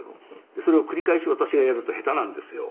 「それを繰り返し私がやると下手なんですよ」